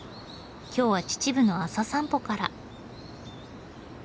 今日は秩父の朝散歩から。